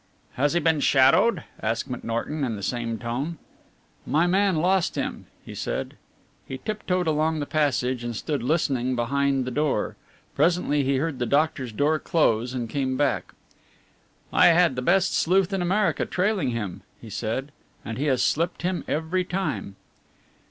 "Has he been shadowed?" asked McNorton in the same tone. "My man lost him," he said. He tiptoed along the passage and stood listening behind the door. Presently he heard the doctor's door close and came back. "I have had the best sleuth in America trailing him," he said, "and he has slipped him every time."